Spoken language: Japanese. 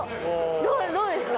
どうですか？